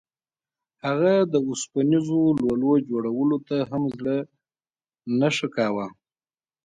هغه د اوسپنیزو لولو جوړولو ته هم زړه نه ښه کاوه